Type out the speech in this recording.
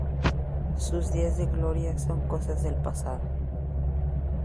Sus días de gloria son cosa del pasado.